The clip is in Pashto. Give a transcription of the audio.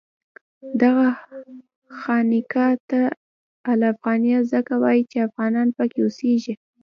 دغه خانقاه ته الافغانیه ځکه وایي چې افغانان پکې اوسېږي.